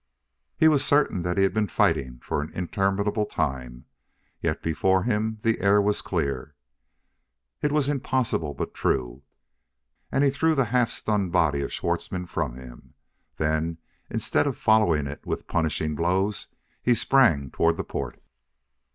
He was certain that he had been fighting for an interminable time, yet before him the air was clear. It was impossible, but true; and he threw the half stunned body of Schwartzmann from him. Then, instead of following it with punishing blows, he sprang toward the port.